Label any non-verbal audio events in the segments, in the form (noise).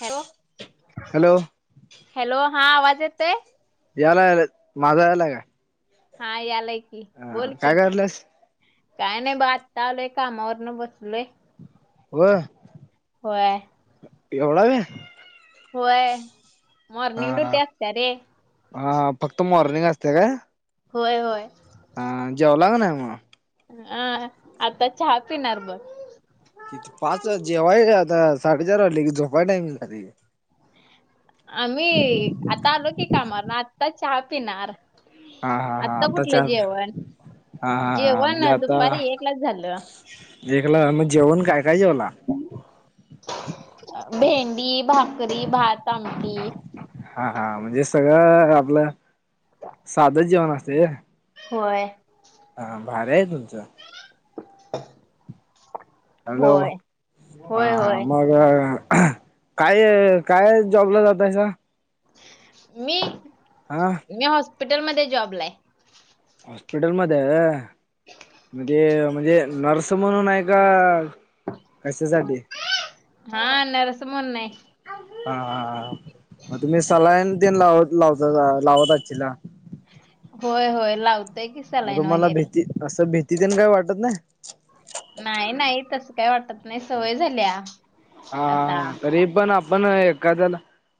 Hello, hello hello हां आवाज येतय? यालाय याला माझा यायलाय काय? हां यालाय की. हा बोल काय की. करायल्यास काय नाही बघ. आता आलोय कामावरण बसलोय. व्हय. होय. एवढा वेळ. होय, हा मॉर्निंग ड्युटी असत्या रे. हा फक्त मॉर्निंग असत्या काय? होय-होय. हा, जेवला का नाही मग? अं! आता चहा पिणार बघ. पाच जेवाय आता, साडेचार वाजलेे की झोपाय टाईम. आम्ही आता आलो की कामावरण, आता चहा पिणार. हा हा हा आता कुठलं चार जेवण. हा हा हा म्हणजे जेवण, आता दुपारी एकलाच झालं. एकला मग जेवण काय-काय जेवला? भेंडी, भाकरी, भात, आमटी. हाहा, म्हणजे सगळं आपलं साधं जेवण असते. व्हय. हा भारी हाय तुमचं. (inaudible) हॅलो! होय होय हां होय मग. अं ह काय, काय जॉबला जातात सर. मी, हा मी हॉस्पिटल मध्ये जॉबला आहे. हॉस्पिटल मध्ये आहे, म्हणजे, म्हणजे नर्स म्हणून आहे का, कशासाठी? हा नर्स म्हणून आहे. हा, हा मग तुम्ही सलाईन लावत (unintelligible) होय-होय लाव. मग तुम्हाला भीती, असं भीती ते नाही वाटत न. नाही, नाही, तस काही वाटत नाही सवय झाली आम्हाला. हा तरी पण आपण पण एखाद्याला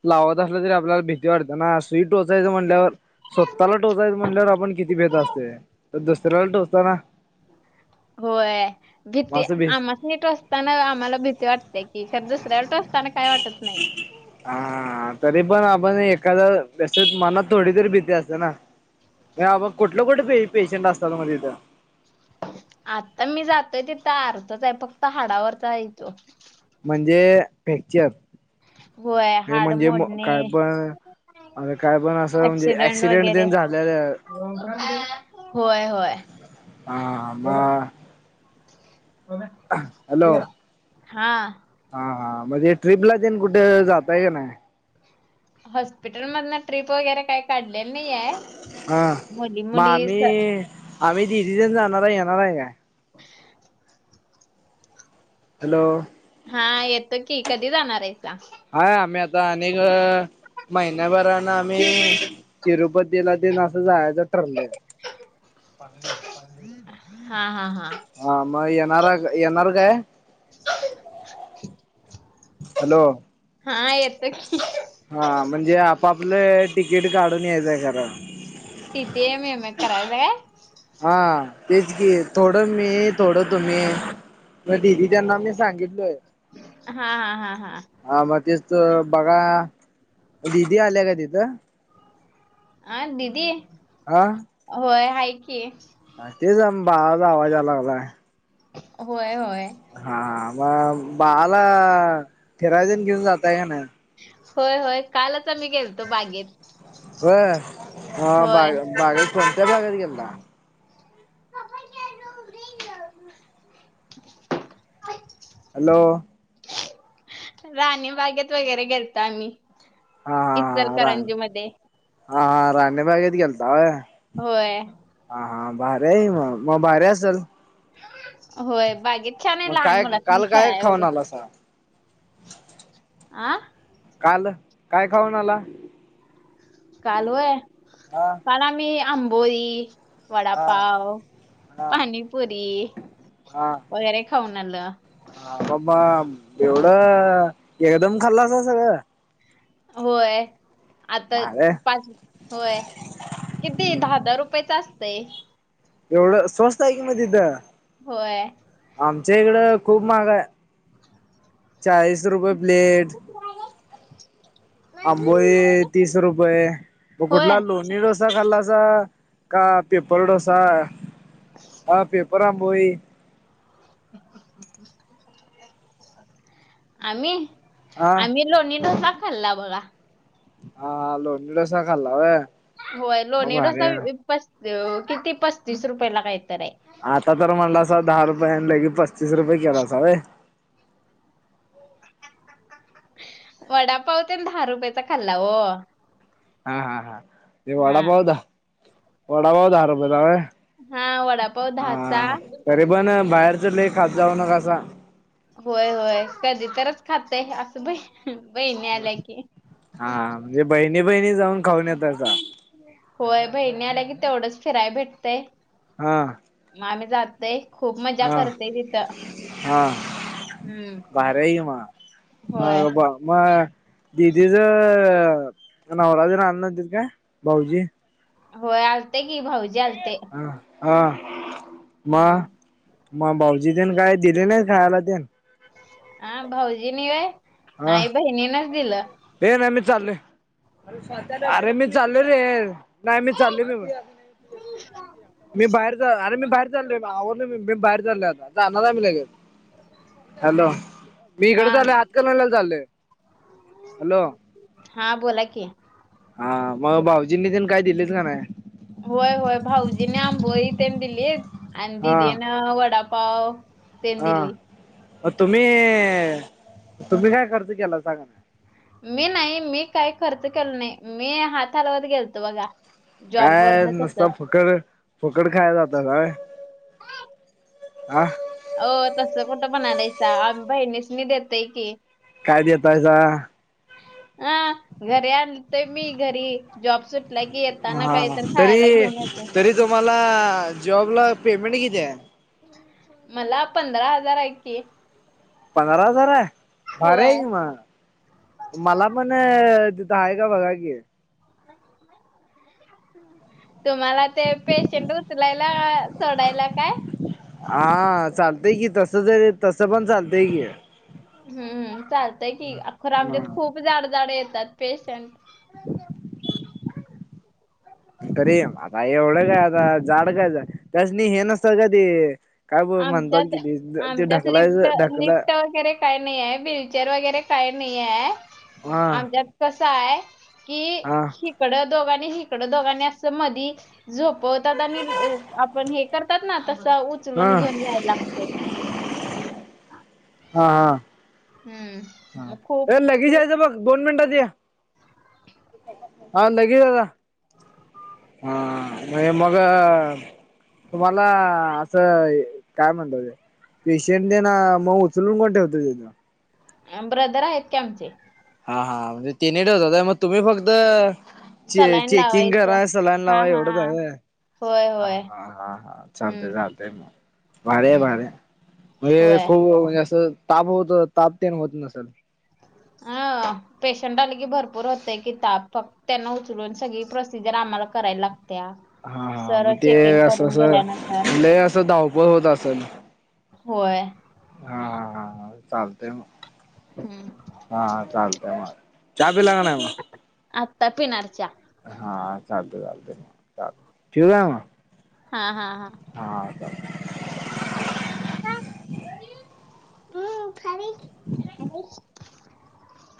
लावत असलं तरी आपल्याला भीती वाटते ना, सुई टोचायचं म्हटल्यावर स्वतःला टोचायच म्हणल्या आपण किती भेेत असतोय, तर दुसऱ्याला टोचताना होय, मग भीती असं भी आम्हा सुईटोचताना आम्हाला भीती वाटते की, खर दुसऱ्यावर टोचताना काय वाटत नाही. हा, तरी पण आपण एखादा तसच मनात थोडीतरी भीती असते ना, ये बाबा कुठलं कुठे पे पेशंट असतात मग तिथं? आता मी जातोय तिथ अर्धा फक्त हाडावरचा हाय तो. म्हणजे फॅक्चर, होय ते हाड म्हणजे मग काय मोडणे पण. अरे काय पण असं म्हणजे, ऍक्सिडेंट तेन झालेल होय, होय. हा, हा मग. हॅलो हा. हा, म्हणजे ट्रीपला तेन कुठ जाता येत नाही. हॉस्पिटल मधन ट्रिप वगैरे काही काढलेलं नाही हाय. हा मुली- मग मुलीच आम्ही आम्ही दिदीच्यात जाणार हाय येणार हाय. (unintelligible) हॅलो. हा येतो की कधी जाणार आहे? हाय आम्ही आता अनेक महिन्याभरान आम्ही तिरुपतीला तेन असं जायचं ठरलंय. हा, हा, हा. हा मग येणारा येणार काय? हॅलो हा येतो की. हा म्हणजे आपापलं तिकीट काढून यायचंय खरं. टी टी एम एम करायच काय. हा तेच की थोडं मी थोडं तुम्ही दिदी त्यांना मी सांगितलोय. हा, हा, हा, हा. हा मग तेच तर बघा. दिदी आल्या का तिथं? हा दीदी? हा. होय हाय की. तेच बाळाचा आवाज याय लागलाय. होय होय. हा मग बाळाला फीराय तेन घेऊन जाताय काय नाही? होय होय कालच आम्ही गेलतो बागेत. होय. मग होय बाग बाग कोणत्या बागेत गेलता? (unintelligible) हॅलो. रानी बागेत वगैरे गेलतो आम्ही. हा हा हा रा इचलकरंजी मध्ये हा हा राणी बागेत गेलता होय. होय. हा हा भारी आहे की मग मग भारी असल. होय बागे छान आहे मग लहान काय मुलासनी काल काय खेळायला खाऊन वगैरे आला सा अ काल काय खाऊन आला? काल होय हा काल आम्ही आंबोली, हा वडापाव, हा पाणीपुरी हा वगैरे खाऊन आलं. हा बाबा एवढं एकदम खाल्लासा सगळं? होय आता अरे पाच होय किती दहा दहा रुपयच असतंय. एवढं स्वस्त आहे की मग तिथ. होय. आमच्या इकडं खूप महाग हाय. चाळीस रुपये प्लेट (unintelligible) आंबोळी तीस रुपये होय कुठला लोणी डोस सा खाल्लासा का पेपर डोसा ह पेपर आंबोळी? आम्ही? हा आम्ही लोणी डोसा खाल्ला बघा. हा हा लोणी डोसा खाल्ला वे. होय लोणी डोसा पस किती पस्तीस रुपयेला काही तर आहे. आता तर म्हणलासा दहा रुपये आणि पस्तीस रुपये केलासा होय. वडापाव तेन दहा रुपयाेचा खाल्ला ओ. हा हा हा ते हा वडापाव द वडापाव दहा रुपयाचं होय. हा वडापाव दहाचा हा तरी पण बाहेरच लई खात जाऊ नकासा. होय होय कधी तरच खातय असं बाई. हम्म बाहिण. हा म्हणजे बहिणी बहिणी जाऊन खाऊन येतायसा. होय बहिणी आल्या की तेवढंच फिराय भेटतंय. हा. मग आम्ही जातय खूप मजा हा करतेय तिथं. (inaudible) भर आहे की म, होय अरे बाबा. दिदीच नवरा तेन आल नव्हातीत काय, भाऊजी? होय आलते की भाऊजी आलते. ह‌ हा म? हम्म मग भाऊजी तेन काय दिले नाहीत खायला तेन? हा भाऊजीनी वय नाही बहिणीनच दिलं. हे नाहि मि चाललोय अरे मी चाललोय रे. नाही मी चाललोय मी, मी बाहेर जा अरे मी बाहेर चाललोय आवरलोय मी, मी‌ बाहेर चाललोय आता जाणार मी लगेच. हॅलो! मी इकडे हा चाललोय हातकणंगलेला चाललोय. हॅलो! हा बोला कि. हा मग भाऊजींनी तेन काय दिलेत का नाही? होय होय भाऊजीने आंबोली तेन दिलीत आणि हा दिदीन वडापाव. तेन हा दिली म तुम्ही, तुम्ही काय खर्च केलासा क नाही? मी नाही मी काही खर्च केल नाही मी हात हालवत गेलतो बघा. जॉब काय वरन नुसता तसंच फुकर फुकट खाय जातासा होय, आ. हो तसं कुठं म्हणालायसा आम्ऊ बहिणीस नी देतय की. काय देतयसा? हा घरी आणतेय मी घरी. जॉब सुटला की येताना काही हा तर तरी खायला घेऊन येते. तरी तुम्हाला जॉबला पेमेंट किती आहे? मला पंधरा हजार आहे की. पंधरा हजार आहे, भारी आहे होय की मग‌. मला पण तिथं आहे काय बघा की. हम्. तुम्हाला ते पेशंट उचलायला, सोडायला काय? हा चालतय की तस ज तसं पण चालतय की. हम्म चालतंय कि आ खर हा आमच्यात खूप जाड जाड येतात पेशंट. (unintelligible) (inaudible) अरे आता एवढं काय आता जाड काय जाड त्यासनी हे नसत का ते काय बोल म्हणतात आमच्यात किती ते ढकलायच ढकला. काही नाही आहे विलचेअर वगैरे काही नाही आहे हा आमच्यात कस आहे कि हा हिकडं दोघांनी हिकडं दोघांनी असं मधी झोपवतात आणि आपण हे करतात ना तस हा उचलून घेऊन जायला लागते. (unintelligible) हा हा. हम्म. हा मग खूप ए लगेच खूप यायच बघ दोन मिनटात ते. हा लगेळ ला हा! मे मग तुम्हाला असं! काय म्हणत ते? पेशंट ते न मग, उचलून कोण ठेवत? अनब्रदर आहेत का? आमचे हा! हा! म्हणजे तिन ठेवत होता. मग तुम्ही फक्त चे सलाईन चेकिंग लावायचं करा, सलान हा लावा हा एवढंच! होय हा! होय हा! हा! हा! चालते हम्म चालतय मग भाड! हम्म भाड! म्हणे होय खूप म्हणजे असं! ताप होत! ताप तेण होत नसेल! हा! पेशंट आले की भरपूर होतेय की, ताप फक्त त्यांना उचलून सगळी, प्रोसिजर आम्हाला, करायला लाग त्या हा! हा! मग ते असं! अस! गेल्यानंतर म्हण असं धावपळ होत असल! होय! हा! चालतेय मग! हम्म! ! हा चालत! आला चहा पीला काना! आता पीनार चहा! हा चातत य! ठी आहे म! हा! हा! हा! ! हा! ! हम! ख